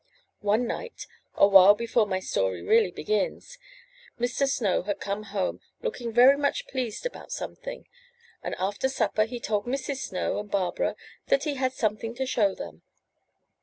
One night, a while before my story really begins, Mr. Snow had come home looking very much pleased about something, and after supper he told Mrs. Snow and Barbara that he had something to show them.